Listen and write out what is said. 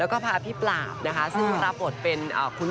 แล้วก็พาพี่ปราบนะคะซึ่งรับบทเป็นคุณ